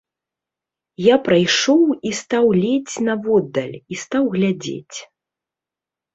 Я прайшоў і стаў ледзь наводдаль, і стаў глядзець.